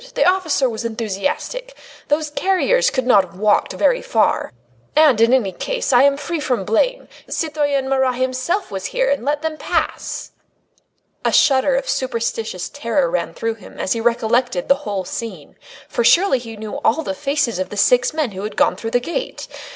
the officer was enthusiastic; those carriers could not have walked very far. And, in any case, I am free from blame. Citoyen Marat himself was here and let them pass!" A shudder of superstitious terror ran through him as he recollected the whole scene: for surely he knew all the faces of the six men who had gone through the gate.